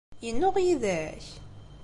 Yennuɣ yid-k?